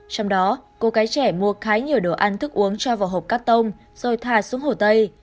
trong đó cô gái trẻ mua khá nhiều đồ ăn thức uống cho vào hộp cắt tông rồi thả xuống hồ tây